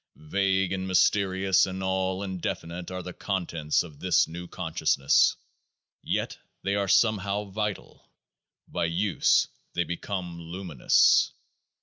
Vague and mysterious and all indefinite are the contents of this new consciousness ; yet they are somehow vital, by use they be come luminous.